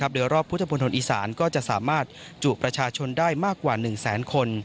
โดยรอบพุทธมนตร์อีสานก็จะสามารถจุประชาชนได้มากกว่า๑แสนคน